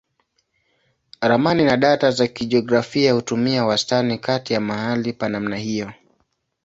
Ramani na data za kijiografia hutumia wastani kati ya mahali pa namna hiyo.